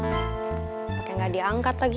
pake gak diangkat lagi